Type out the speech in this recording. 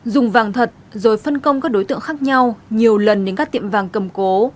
dùng vàng thật rồi phân công các đối tượng khác nhau nhiều lần đến các tiệm vàng cầm cố